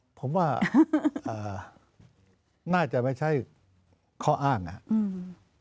ผมว่าน่าจะไม่ใช่ข้ออ้างนะครับ